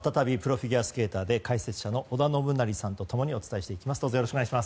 ここからは再びプロフィギュアスケーターで解説者の織田信成さんと共にお伝えしていきます。